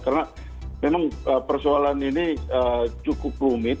karena memang persoalan ini cukup rumit